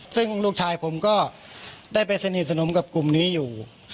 ซึ่งลูกชายผมก็ได้ไปสนิทสนมกับกลุ่มนี้อยู่